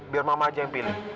biar mama aja yang pilih